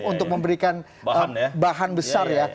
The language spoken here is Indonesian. untuk memberikan bahan besar ya